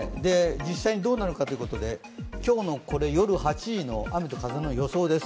実際にどうなるかということで今日のこれ夜８時の雨と風の予想です。